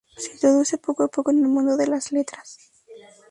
Se introduce poco a poco en el mundo de las letras.